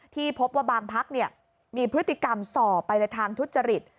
ที่พบว่าบางพักมีพฤติกรรมส่อไปในทางทุจริต